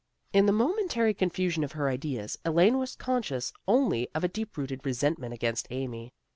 In the momentary confusion of her ideas, Elaine was conscious only of a deep rooted resentment against Amy.